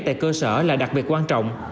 tại cơ sở là đặc biệt quan trọng